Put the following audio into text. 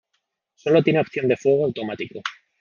Solo tiene opción de fuego automático.